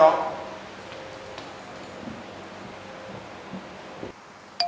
sao nó đâu rồi